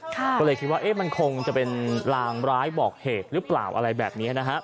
ก็เลยคิดว่ามันคงจะเป็นลางร้ายบอกเหตุหรือเปล่าอะไรแบบนี้นะฮะ